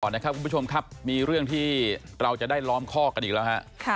นะครับคุณผู้ชมครับมีเรื่องที่เราจะได้ล้อมข้อกันอีกแล้วฮะ